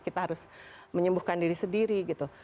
kita harus menyembuhkan diri sendiri gitu